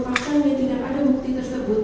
faktanya tidak ada bukti tersebut